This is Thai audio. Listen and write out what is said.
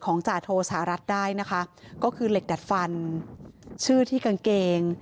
จาโทสหรัฐได้นะคะก็คือเหล็กดัดฟันชื่อที่กางเกง